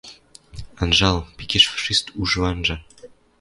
Анжал, пикеш фашист уж ванжа!»